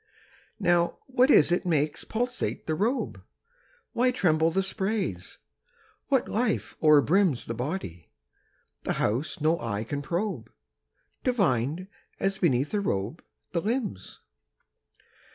Now, what is it makes pulsate the robe? Why tremble the sprays? What life o'erbrims 10 The body, the house no eye can probe, Divined, as beneath a robe, the limbs?